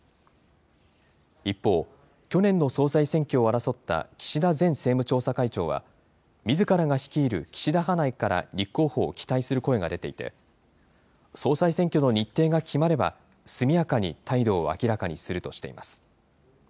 一方、去年の総裁選挙を争った岸田前政務調査会長は、みずからが率いる岸田派内から立候補を期待する声が出ていて、総裁選挙の日程が決まれば、速やかに態度を明らかにするとしています。